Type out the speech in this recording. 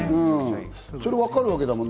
それがわかるわけだもんね。